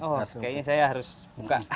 kayaknya saya harus buka